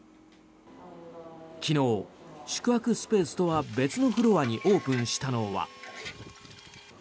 昨日、宿泊スペースとは別のフロアにオープンしたのは。